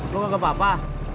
lo gak kebapa